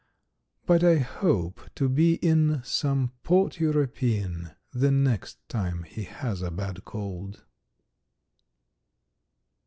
But I hope to be in some port European The next time he has a bad cold.